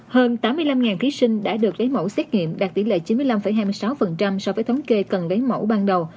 hơn tám mươi năm thí sinh đã được lấy mẫu xét nghiệm đạt tỷ lệ chín mươi năm hai mươi sáu so với thống kê cần lấy mẫu ban đầu